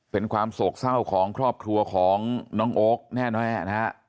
เป็นความโศกเศร้าของครอบครัวของน้องโอ๊คแน่นะฮะ